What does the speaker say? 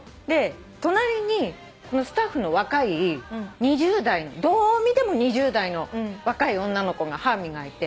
隣にスタッフの若いどう見ても２０代の若い女の子が歯磨いて。